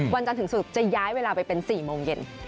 วันจันทร์ถึงศุกร์จะย้ายเวลาไปเป็น๔โมงเย็น